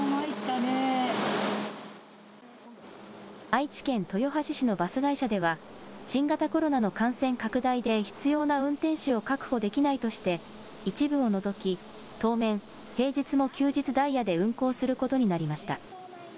愛知県豊橋市のバス会社では、新型コロナの感染拡大で必要な運転士を確保できないとして、一部を除き、当面、平日も休日ダイヤで運行することになりました。